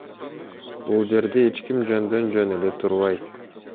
Бул жерде эч ким жөндөн жөн эле турбайт.